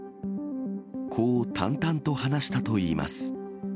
こう淡々と話したといいます。